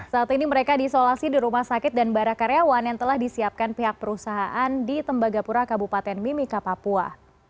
saat ini mereka diisolasi di rumah sakit dan barakaryawan yang telah disiapkan pihak perusahaan di tembagapura kabupaten mimika papua